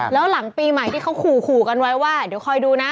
แล้วหลังปีใหม่ที่เขาขู่กันไว้ว่าเดี๋ยวคอยดูนะ